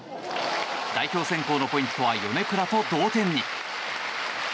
代表選考のポイントは米倉と同点に。